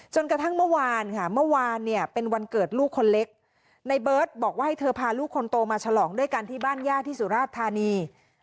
จนกระทั่งเมื่อวานเป็นวันเกิดลูกคนเล็กในเบิร์ดบอกว่าให้เธอพาลูกคนโตมาฉลองด้วยกันที่บ้านญาติที่สุรธานี